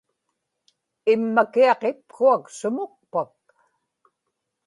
immakiaq ipkuak sumukpak